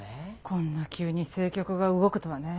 こんな急に政局が動くとはね。